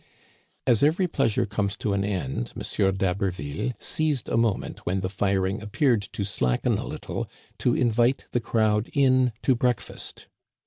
As every pleasure comes to an end, M. d'Haberville seized a moment when the firing appeared to slacken a little to invite the crowd in to breakfast.